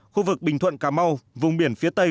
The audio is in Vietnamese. khu vực bình thuận cà mau vùng biển phía tây